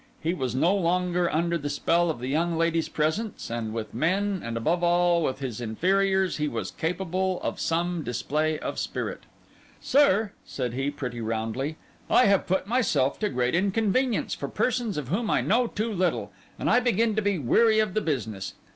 He was no longer under the spell of the young lady's presence; and with men, and above all with his inferiors, he was capable of some display of spirit. 'Sir,' said he, pretty roundly, 'I have put myself to great inconvenience for persons of whom I know too little, and I begin to be weary of the business.